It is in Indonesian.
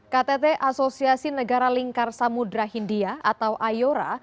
ktt asosiasi negara lingkar samudera hindia atau ayora